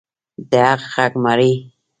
د حق غږ مري؟